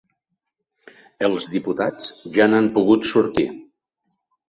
Els diputats ja n’han pogut sortir.